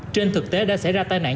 trên thực tế đã xảy ra tai nạn